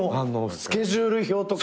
スケジュール表とか。